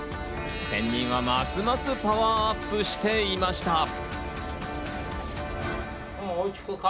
仙人はますますパワーアップしていました。